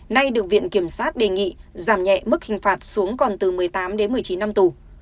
nay được viện kiểm sát đề nghị giảm nhẹ mức hình phạt xuống còn từ một mươi tám đến một mươi chín năm tù